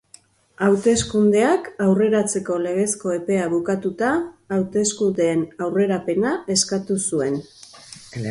Hauteskundeak aurreratzeko legezko epea bukatuta, hauteskundeen aurrerapena eskatu zuen.